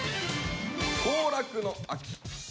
「行楽の秋」。